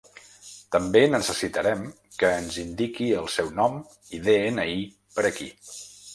També necessitarem que ens indiqui el seu nom i de-ena-i per aquí.